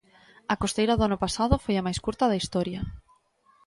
A costeira do ano pasado foi a máis curta da historia.